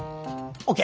ＯＫ。